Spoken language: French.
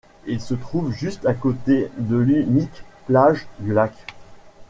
Il se trouve juste à côté de l'unique plage du lac.